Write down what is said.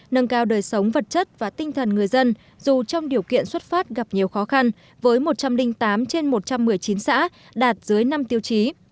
nâng cao đời sống vật chất và tinh thần người dân dù trong điều kiện xuất phát gặp nhiều khó khăn với một trăm linh tám trên một trăm một mươi chín xã đạt dưới năm tiêu chí